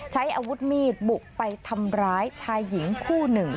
ใช้อาวุธมีดบุกไปทำร้ายชายหญิงคู่หนึ่ง